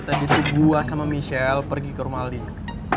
tadi itu gua sama michelle pergi ke rumah aldino